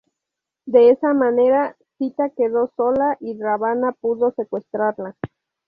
De esa manera, Sita quedó sola y Ravana pudo secuestrarla.